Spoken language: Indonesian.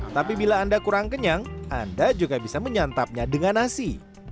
tapi bila anda kurang kenyang anda juga bisa menyantapnya dengan nasi